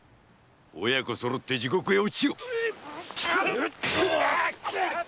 親子そろって地獄へ堕ちよ！